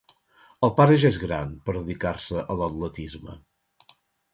El pare ja és gran, per dedicar-se a l'atletisme.